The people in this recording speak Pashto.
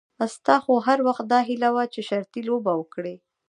ستا خو هر وخت داهیله وه چې شرطي لوبه وکړې.